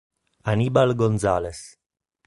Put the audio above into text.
Aníbal González